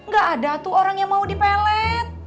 gak ada tuh orang yang mau dipelet